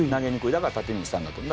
だから縦にしたんだと思う。